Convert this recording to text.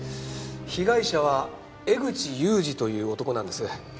被害者は江口勇二という男なんです。